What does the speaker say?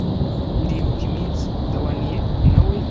Ndibuka iminsi Dawnie nawe